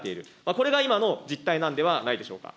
これが今の実態なんではないでしょうか。